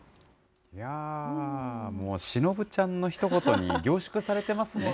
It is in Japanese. もう、シノブちゃんのひと言に凝縮されてますね。